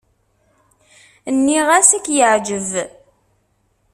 Nniɣ-as ad k-yeɛǧeb.